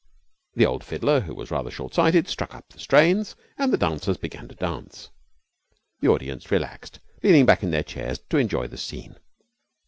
The old fiddler, who was rather short sighted, struck up the strains, and the dancers began to dance. The audience relaxed, leaning back in their chairs to enjoy the scene.